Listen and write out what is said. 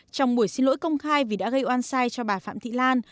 trong buổi xin lỗi công khai vì đã gây oan sai cho bà phạm thị lan